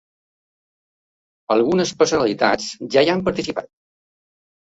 Algunes personalitats ja hi han participat.